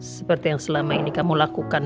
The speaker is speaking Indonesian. seperti yang selama ini kamu lakukan